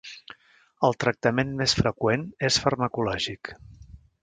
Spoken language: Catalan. El tractament més freqüent és farmacològic.